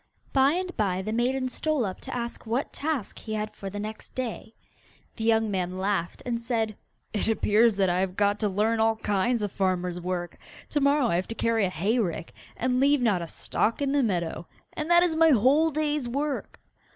By and by the maiden stole up to ask what task he had for the next day. The young man laughed, and said: 'It appears that I have got to learn all kinds of farmer's work. To morrow I have to carry a hay rick, and leave not a stalk in the meadow, and that is my whole day's work!